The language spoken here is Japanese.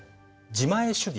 自前主義？